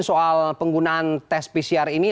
soal penggunaan tes pcr ini